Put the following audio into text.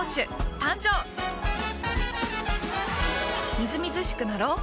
みずみずしくなろう。